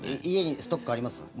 家にストックあります？